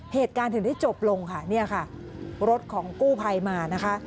เหตุการณ์ถึงได้จบลงค่ะเนี่ยค่ะรถของกู้ไพมานะคะ